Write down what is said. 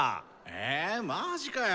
えマジかよ